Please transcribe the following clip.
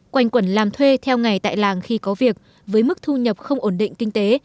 quanh quẩn làm thuê theo ngày tại làng khi có việc với mức thu nhập không ổn định kinh tế